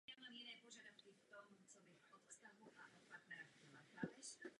Pomáhal zde dětem českých emigrantů.